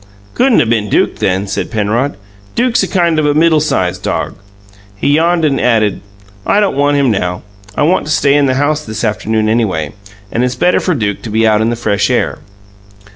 "Couldn't 'a' been Duke, then," said Penrod. "Duke's a kind of a middle sized dog." He yawned, and added: "I don't want him now. I want to stay in the house this afternoon, anyway. And it's better for Duke to be out in the fresh air."